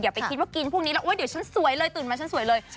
ไปคิดว่ากินพวกนี้แล้วเดี๋ยวฉันสวยเลยตื่นมาฉันสวยเลย